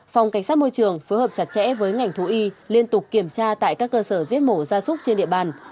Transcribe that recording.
phòng cảnh sát môi trường phối hợp chặt chẽ với ngành thú y liên tục kiểm tra tại các cơ sở giết mổ ra súc trên địa bàn